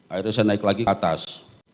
akhirnya saya naik lagi ke atas